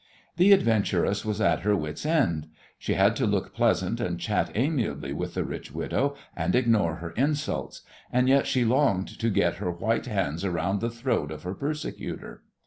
The adventuress was at her wit's end. She had to look pleasant and chat amiably with the rich widow, and ignore her insults, and yet she longed to get her white hands round the throat of her persecutor.